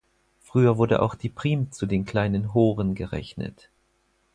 Früher wurde auch die Prim zu den kleinen Horen gerechnet.